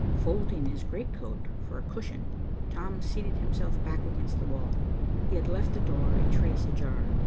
Folding his great coat for a cushion, Tom seated himself back against the wall. He had left the door a trace ajar.